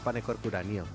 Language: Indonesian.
dan ekor kudanil